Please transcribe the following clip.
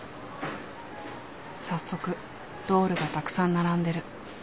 早速ドールがたくさん並んでる。